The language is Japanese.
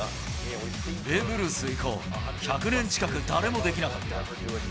ベーブ・ルース以降、１００年近く、誰もできなかった。